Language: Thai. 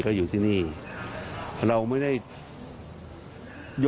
ขอเลื่อนสิ่งที่คุณหนูรู้สึก